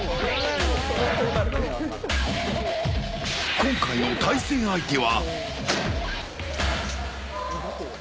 今回の対戦相手は。